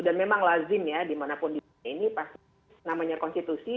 dan memang lazim ya dimanapun di sini pasti namanya konstitusi